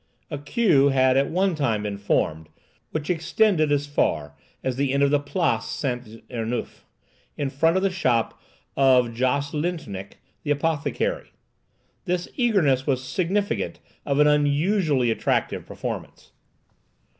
A queue had at one time been formed, which extended as far as the end of the Place Saint Ernuph, in front of the shop of Josse Lietrinck the apothecary. This eagerness was significant of an unusually attractive performance.